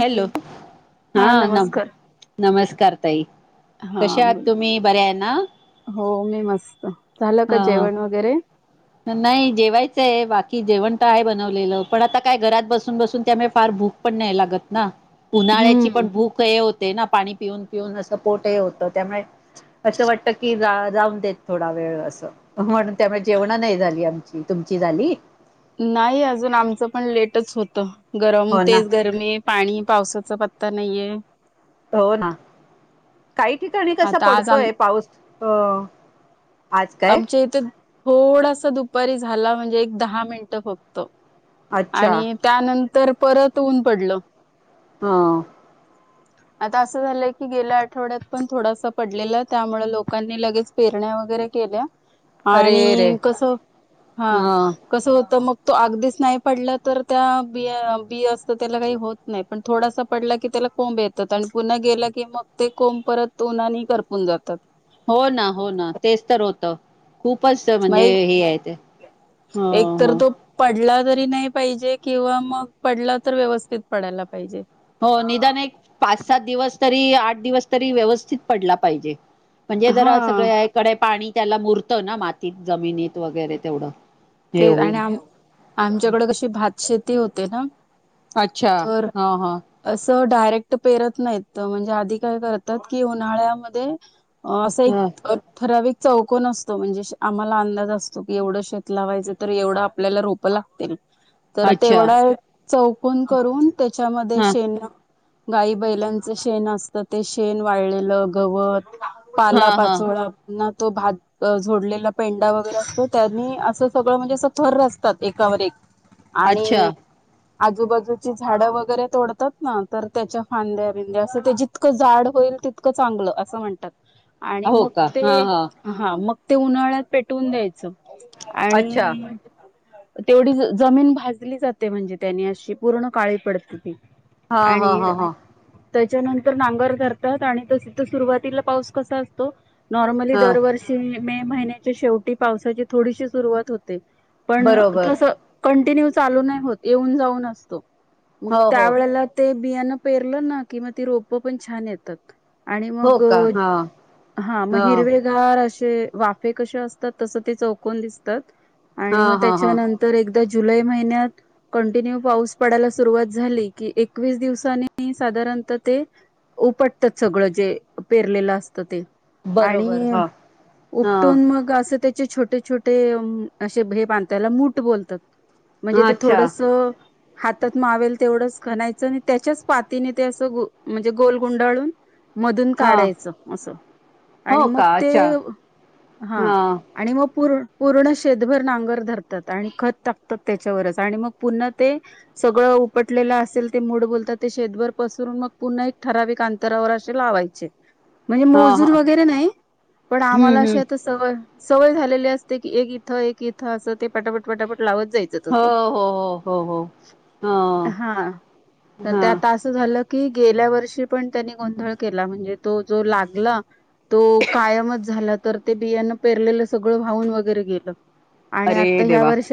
Hello हा नम नमस्कार ताई हा कशे आहात बोला. तुम्ही, बर्या आहे ना? हो मी मस्त. झालं का जेवण हा वगैरे? नाही जेवायचं आहे बाकी की जेवण तर आहे बनवलेलं पण आता काय घरात बसून बसून त्यामुळे फार भूक पण नाही लागत ना. उन्हाळ्याची हम्म. पण भूक हे होते ना पाणी पिऊन पिऊन असं पोट हे होतं त्यामुळे असं वाटत की रा राहून देत थोडा वेळ असं म्हणून त्यामुळे जेवण नाही झाली आमची तुम तुमची झाली? नाही अजून आमचं पण लेटच होत. गरम, हो ना तेच गरमी, पाणी पावसाचा पत्ता नाहीये. हो ना काही ठिकाणी कसा आता आज आम पडतोय पाऊस अ आज काय आमच्या इथे थोडासा दुपारी झाला म्हणजे एक दहा मिनटं फक्त अच्छा आणि त्यानंतर परत ऊन पडलं ह ह आता असं झालंय की गेल्या आठवड्यात पण थोडासा पडलेला, त्यामुळे लोकांनी लगेच पेरण्या वगैरे केल्या अरे रे आणि कस, हा, ह कसं होत मग तो अगदीच नाही पडला तर त्या बीया बी असत त्याला काही होत नाही पण थोडासा पडला की तर कोंब येतात आणि पुन्हा गेलं की मग ते कोंब परत उननी करपून जातात. हो ना, हो ना, तेच तर होत. खूपच म्हणजे मग हे आहे ते हो एक तर हो तो पडला नाही पाहिजे किंवा मग पडला तर व्यवस्थित पडायला पाहिजे हो निदान एक पाच सात दिवस तरी आठ दिवस तरी व्यवस्थित पडला पाहिजे. म्हणजे हा जरा सगळ्याकडे पाणी त्याला मुरतं ना मातीत जमिनीत वगैरे तेवढं हे ते आणि होऊन आम आमच्याकडे कशी भात शेती होते ना अच्छा तर हा हा डायरेक्ट पेरत नाहीत म्हणजे आधी काय करतात की उन्हाळ्यामध्ये असा एक ठराविक चौकन असतो म्हणजे आम्हाला अंदाज असतो की एवढं श लावायच तर एवढं आपल्याला रोप लागतील तर अच्छा तेवढा चौकोन करून त्याच्यामध्ये हा शेन गाई बैलांच शेण असत ते शेण वाळलेलं गवत हा पाला हा पाचोळा ना तो भात जोडलेला पेंडा वगैरे असतो त्यानी अस सगळं म्हणजे असं थर असतात एकावर एक अच्छा आणि आजूबाजूची झाडं वगैरे तोडतात ना तर त्याच्या फांद्या बिंद्या असं ते जितकं जाड होईल तितकं चांगलं असं म्हणतात. आणि हो मग का हा ते हा हा मग ते उन्हाळ्यात पेटवून द्यायचं अच्छा आणि तेवढी जमीन भाजली जाते म्हणजे त्यांनी अशी पूर्ण काळी पडते ती हा हा आणि हा हा त्याच्यानंतर नांगर धरतात आणि तसतर सुरुवातीला पाऊस कसा असतो नॉर्मली हा दरवर्षी मे महिन्याच्या शेवटी पावसाची थोडीशी सुरुवात होते पण बरोबर तस कंटिन्यू चालू नाही होत, येऊन जाऊन असतो. मग हो त्या हो वेळेला ते बियाणं पेरलं ना किंवा ती रोप पण छान येतात आणि हो मग का हा हा मग हिरवे गार अस ते वाफे कसे असतात तसे ते चौकोन दिसतात हा आणि मग हा हा त्याच्यानंतर एकदा जुलै महिन्यात कंटिन्यू पाऊस पडायला सुरुवात झाली की एकवीस दिवसांनी साधारण ते उपटतात सगळं जे पेरलेलं असतं ते बरोबर आणि हा हा उपटून मग अस त्या छोटे छोटे असे हे बांधला मूठ बोलतात म्हणजे ते अच्छा थोडस हातात मावेल तेवढंच खणायचं आणि त्याच्याच पातीने ते असं म्हणजे गोल गुंडाळून मधून हा काढायचं असं आणि हो मग का ते अच्छा हा आणि मग पूर्ण शेतभर नांगर धरतात आणि खत टाकतात त्याच्यावरच आणि मग पुन्हा ते सगळं उपटलेलं असेल ते मूड बोलतात ते शेतभर पसरून मग पुन्हा एक ठराविक अंतरावर असेलव म्हणजे हा हा मोजून वगैरे नाही पण हम्म आम्हाला हम्म आता सवय झाली सवय झाली असते की एक इथं एक इथं असं ते पटापटटापट लावत जायचं हो तस हो हो हो हो हा ह तर ते हा आता असं झालं की गेल्या वर्षी पण त्यांनी गोंधळ केला म्हणजे तो जो लागला तो कायमच झाला तर ते बियांना पेरलेलं सगळं वाहून वगैरे गेलं आणि अरे आता ह्या देवा वर्ष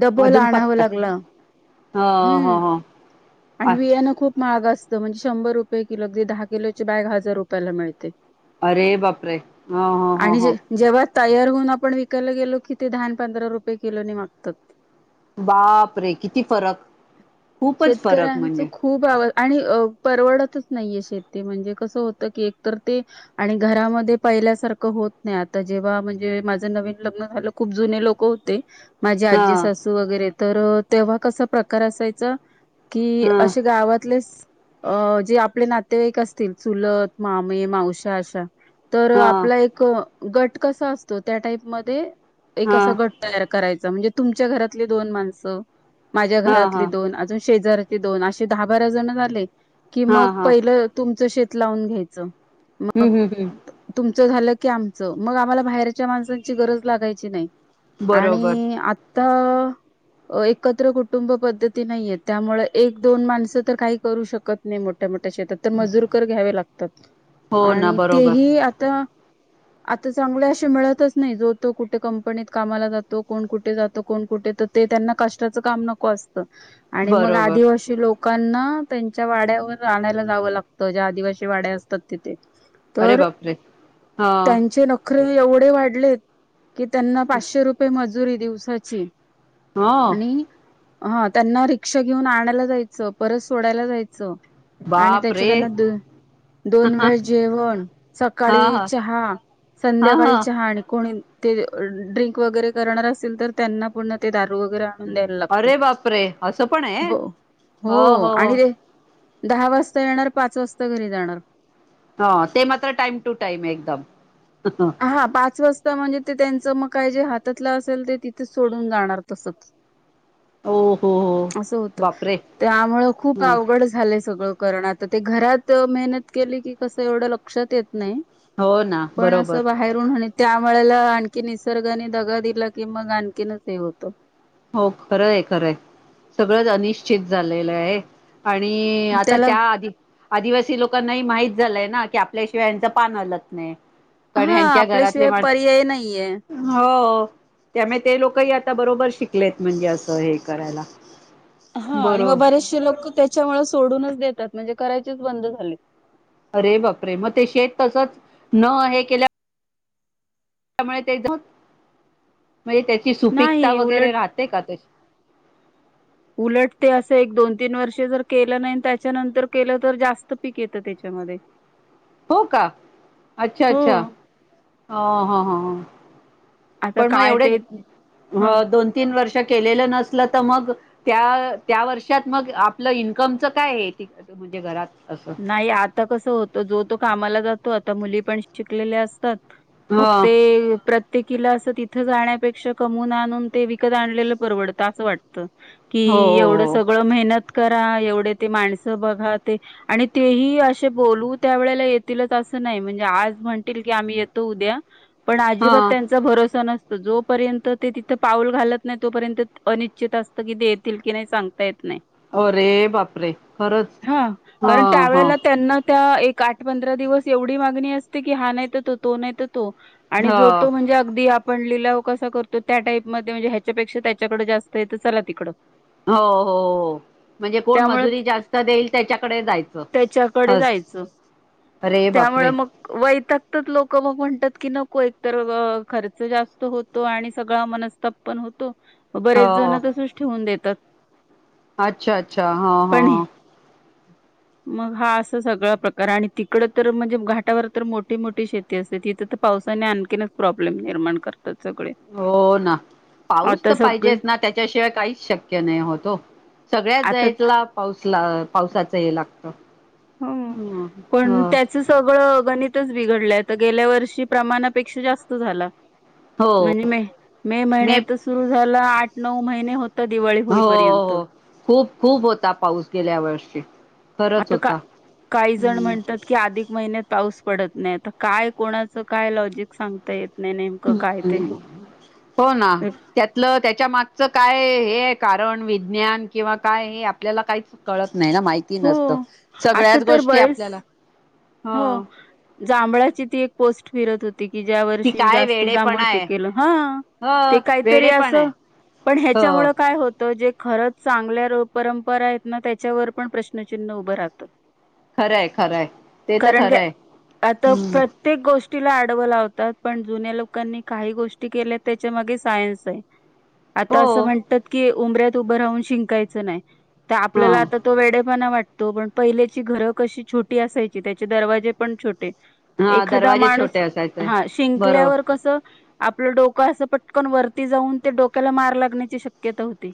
डबोला अजून आणावं पत्ता लागलं ह हम्म ह आणि ह बियाणं खूप महाग अस म्हणजे शंभर रुपये किलो दहा किलोची बॅग हजार रुपयाला मिळते अरे बापरे हा हा ह आणि ह जे जेव्हा तयार होऊन आपण विकायला गेलो की ते धान पंधरा रुपये किलोनी मागतात बाप रे किती फरक खूपच फरक शेतकऱ्यांच म्हणजे खूप आवाज आणि परवड नाहीे शेती म्हणजे कस होत की एक तर ते आणि घरामध्ये पहिल्यासारखं होत नाही आ जेव्हा म्हणजे माझ नवीन लग्न झालं खूप जुने लोक होते माझे हा आजी सासू वगैरे तर तेव्हा कसा प्रकार असायचा की हा असे गावातलेच अ जे आपले नातेवाईक असतील चुलत मामे मावश अशा तर हा आपला एक गट कसा असतो त्या टाईपमध्येध्ये एक हा असा गट तयार करायचा म्हणजे तुमच्या घरातले दोन माणसं माझ्या हा हा घरातले दोन अजून शेजार ते दोन असे दहा बारा जण झाले की हा मग हा पहिलं तुमचं शेत लावून घ्यायचं हम्म हम्म हम्म आ झालं की आमच मग आम्हाला बाहेरच्या माणसची गरज लागायची नाही बरोबर आणि तर एकत्र कुटुंब पद्धती नाहीये त्यामुळे एक दोन माणसं तर काही करू शकत नाही मोठ्या मोठ्या त्या तर मजूरकर घ्यावे लागतात हो ना आणि बरोबर तेही आता आता चांगले असे मिळतच नाही जो तो कुठे कंपनीत कामाला जातो कोण कुठे जातो कोण कुठे तर ते त्यां कष्टाचं काम नको असत मग बरोबर आदिवास लोक लोकांना त्यांच्या वाड्यावर आणायला जावं लागतं ज्या आदिवासी वाड्या असतात तिथे अरे बापरे हा नोकरी एवढे वाढलेत की त्यांना पाचशे रुपये मजुरी दिवसाची हो आणि हा त्यांना रिक्षा घेऊन आणायला जायचं परत सोडायला जायचं आणि बाप त्याच्या रे त्यांना द दोन वेळ जेवण हा सकाळी हा चहा हा संध्याकाळी हा चहा आण ते ड्रिंक वगैरे करणार असेतील तर त्यांना पूर्ण ते दारू वगैरे द्यायला लागते अरे बापरे असं पण आहे हो हो आणि ते दहा वाजता येणार पाच वाजता घरी जाणार हा ते मात्र टाइम टू टाइम एकदम हो हा पाच वाजता म्हणजे ते त्यांच मग काय जे हातातलं असेल ते तिथे सोडून जाणार तसच. हो हो अस होत बापरे त्यामुळं खूप ह अवघड झालंय सगळं. कारण आता ते घरात मेहनत केली की कसं एवढं लक्षात येत नाही. हो ना पण बरोबर. असं बाहेरून त्यामुळेला आणखी निसर्गाने दगा दिला की मग आणखीनच हे होतं. हो खरंय खरंय सगळंच अनिश्चित झालेलं आहे. आणि आता त्याला त्या आधी आदिवासी लोकांनाही माहित झालंय ना की आपल्याशिवाय यांच पान हलत नाही. कारण् हा यांच्या घरातले आपल्याशिवाय माणस, पर्याय नाहीये हो. त्यामुळे ते लोकही आता बरोबर शिकलेत म्हणजे असं, हे करायला. हा आणि मग बरोबर बरेचसे लोक त्याच्यामुळे सोडूनच देतात, म्हणजे करायचेच बंद झाले. अरे बापरे मग ते शेत तसच न हे केल्या मुळे ते द म्हणजे त्याची सुपीकता नाही वगैरे उलट राहते का तशी. उलट ते अस एक दोन तीन वर्ष जर केलं नाही त्याच्यानंतर केलं तर जास्त पीक येतं त्याच्या मध्ये. हो का अच्छा अच्छा ह ह ह. आता पण मग काय एवढे ते ह दोन तीन वर्ष केलेलं नसलं तर मग त्या वर्षात मग आपलं इनकम च काय हे? म्हणजे घरात. असं नाही आता कस होत जो तो कामाला जातो आता मुली पण शिकलेल्या असतात. ह मग ते प्र त्येकीला असं तिथं जाण्यापेक्षा कमवून आणून ते विकत आणलेलं परवडतं असं वाटतं. कि हो एवढं हो हो. सगळं मेहनत करा एवढे ते माणसं बघा ते आणि तेही असे बोलू त्या वेळेला येतीलच असं नाही म्हणजे आज म्हणतील की आम्ही येतो उद्या पण अजिबात हा त्यांचा भरोसा नस तो जोपर्यंत ते तिथं पाऊल घालत नाही तोपर्यंत अनिश्चित असतं की ते येतील की नाही सांगता येत नाही. अरे बापरे खरंच. हा ह कारण ह त्यावेळेला त्यांना त्या एक आठ पंधरा दिवस एवढी मागणी असते की हा नाही त तो तो नाही तो ह आणि हो जोतो म्हणजे अगदी आप ण लिलाव कसा करतो त्या टाईपमध्ये म्हणजे ह्याच्यापेक्षा त्याच्याकडे जास्तये त चला तिकडं. हो हो म्हणजे कोण त्यामुळे मजुरी जास्त देईल त्याच्याकड त्याच्याकडे जायचं. अरे बापरे! त्यामुळे मग वैतागतात लोक मग म्हणतात. की नको एक तर खर्च जास्त होतो आणि सगळा मनस्ताप पण होतो. हो, बरेच हो. जण तसच ठेवून देतात. अच्छा अच्छा ह ह‌. ह [inaudible] मग हा असं सगळा प्रकार आणि तिकड तर म्हणजे घाटावर तर मोठी मोठी शेती असते तिथं त पाऊस आणखीनच प्रॉब्लेम निर्माण करत. हो ना पाऊस आता तर सगळे पाहिजेच ना त्याच्याशिवाय काहीच शक्य नाही होत हो. सगळ्यात आता जायतला पाऊसला पावसाच हे लागत. हो पण त्याच सगळं गणितच बिघडल्या तर गेल्या वर्षी प्रमाणापेक्षा जास्त झाला. हो. म्हणजे मे मे महिन्यात सुरू झाला आठ नऊ महिने होत हो हो खूप खूप होता पाऊस गेल्या वर्षी. खरंच आता का होता. काही जण हं, म्हणतात की अधिक महिन्यात पाऊस पडत नाही काय कोणाच काय लॉजिक सांगता येत नाही नेमकं काय ते हो ना त्यातलं त्याच्या मागच काय हे कारण विज्ञान किंवा काय हे आपल्याला काहीच कळत नाही ना, माहिती हो नसत आता सगळ्याच तर गोष्टी बरेच आपल्याला हो जांभळाची ती एक पोस्ट फिरत होती की ज्या ती वर्षी काय जास्त जांभळ वेडेपणा आहे पिकेल हा ह ते काहीतरी वेडेपण असं आहे पण हो ह्याच्यामुळे काय होतं जे खरंच चांगल्या परंपरा आहेत ना त्याच्यावर पण प्रश्नचिन्ह उभं राहतं खरंय खरंय ते तर कारण की खरंय आता हम्म प्रत्येक गोष्ट गोष्टीला आडव लावतात पण जुन्या लोकांनी काही गोष्टी केल्या त्याच्या मागे सायन्स आहे आता हो असं म्हणतात की उमऱ्यात उभं राहून शिंकायचं नाही तर ह आपल्याला आता वेडे पणा वाटतो पण पहिल्याची घरं कशी छोटी असायची त्याचे दरवाजे पण छोटे हा एखादा दरवाजे छोटे माणूस असायचे हा बरोबर शिंकल्यावर कस आपलं डोकं असं पटकन वरती जाऊन त्या डोक्याला मार लागण्याची शक्यता होती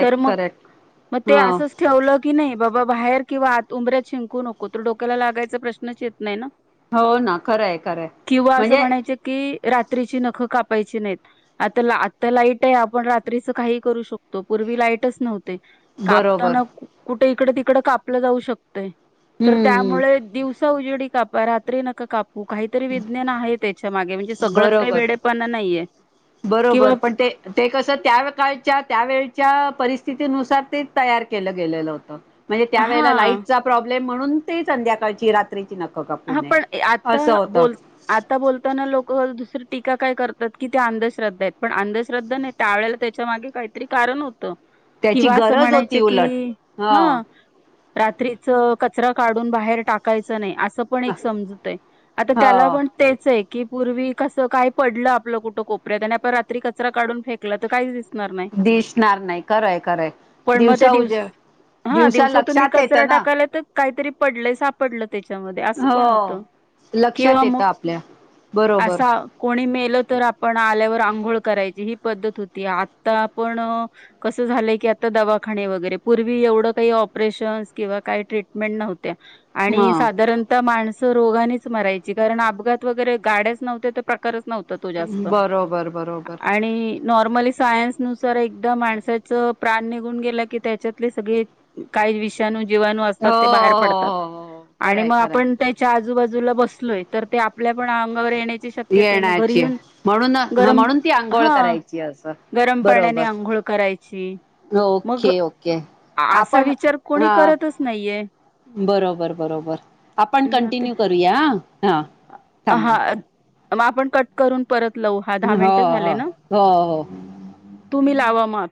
तर मग करेक्ट मग ह ते अस ठेवलं की नाही बाबा बाहेर किंवा आत उंबऱ्यात शिंकू नको तर डोक्याला लागायचा प्रश्नच येत नाही ना हो ना खरंय खरंय किंवा असं म्हणजे म्हणायच कि रात्रीची नखं कापायची नाहीत आता आता लाईट आहे आपण रात्रीच काही करू शकतो परंतु पूर्वी लाईटच नव्हती बरोबर कापताना कुठे इकडे तिकडे कापलं जाऊ शकतं तर हम्म त्यामुळे दिवसा उजेडी कापा रात्री नका कापू हो काहीतरी विज्ञान आहे त्याच्या मागे म्हणजे सगळंच काही बरोबर वेडेपणा नाहीये बरोबर किंवा पण ते ते कसं त्या काळी त्या वेळच्या परिस्थितीनुसार ते तयार केलं गेलेलं होत म्हणजे त्या हा वेळेला लाईट चा प्रॉब्लेम म्हणून ते संध्याकाळची रात्री हा पण आता बोल आता बोलताना लोक टीका काय करतात की ते अंधश्रद्धा आहेत पण अंधश्रद्धा नाही त्यावेेळेला त्याच्या मागे काहीतरी कारण होतं त्याची किंवा असं गरज म्हणायच होती कि उलट ह हा रात्रीच कचरा काढून बाहेर टाकायचं नाही अस पण एक समजतय आता त्याला हो पण तेच एक कि पूर्वी कसं काय पडलं आपलं कुठं कोपऱ्यात आणि आपण रात्री कचरा काढून फेकला तर काय दिसणार नाही दिसणार नाही खरयं खरयं पण मग ते दिवसा दिवस उजेडी हा दिवस तुम्ही कचरा टाकायला तर काहीतरी पडलंय सापडलं त्याच्या पण हो होतंय लक्षात किंवा म येतं आपल्या बरोबर असा कोणी मेल तर आपण आल्यावर अंघोळ करायची ही पद्धत होती आता आपण कस झालंय की दवाखाने वगैरे पूर्वी एवढं काही ऑपरेशन किंवा काही ट्रीटमेंट नव्हती हा आणि साधारण माणसं रोगानेच मरायची कारण अपघात वगैरे गाड्याच नव्हते तर प्रकारच नव्हते तो जास्त बरोबर बरोबर आणि नॉर्मली सायन्स नुसार एकदा माणसाच प्राण निघून गेला की त्याच्यातले सगळे का विषाणू जीणू हो असतात बाहेर हो पडतात हो हो आणि खरंय मग आपल्या आपण खरंय त्याच्या आजूबाजूला बसलोय तर ते आपल्या पण अंगावर येण्याची शक्यता आहे मग घरी येण्याची येऊन म्हणून ह गरम म्हणून ती आंघोळ हा करायची असं गरम पाण्याने बरोबर अंघोळ करायची मग ओके ओके असा आपण विचार कोणी हा करतच नाहीये बरोबर बरोबर आपण म ते कंटिन्यू करूया हा हा थांबा मग आपण कट करून परत लाऊ हा दहा हो हो मिनट झाले ना हो हो तुम्ही लावा मग